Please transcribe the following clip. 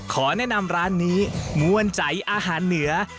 ขอแนะนำร้านนี้มวลใจอาหารเหนือ